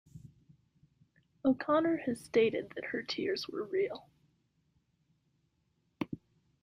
O'Connor has stated that her tears were real.